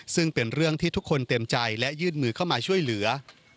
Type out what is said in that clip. ซึ่งเป็นเรื่องที่ทุกคนเต็มใจและยื่นมือเข้ามาช่วยเหลือ